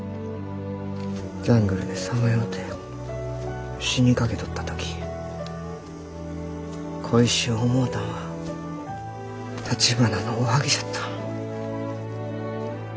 ジャングルでさまようて死にかけとった時恋しゅう思うたんはたちばなのおはぎじゃった。